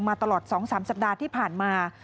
ตลอด๒๓สัปดาห์ที่ผ่านมา